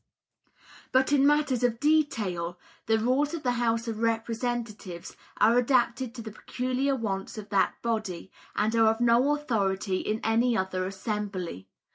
But in matters of detail, the rules of the House of Representatives are adapted to the peculiar wants of that body, and are of no authority in any other assembly.